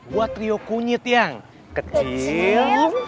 buat rio kunyit yang kecil